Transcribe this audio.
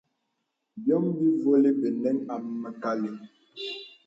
Byɔm bîvolī benəŋ a məkàməlì.